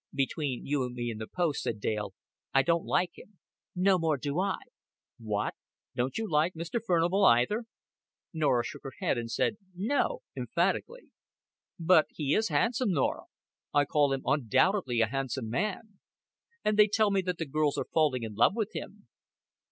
"Between you and me and the post," said Dale, "I don't like him." "No more do I." "What! Don't you like Mr. Furnival either?" Norah shook her head and said "No" emphatically. "But he is handsome, Norah. I call him undoubtedly a handsome man. And they tell me that the girls are falling in love with him."